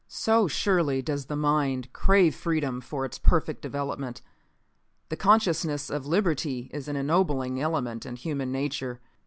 So surely does the mind crave freedom for its perfect development. The consciousness of liberty is an ennobling element in human nature.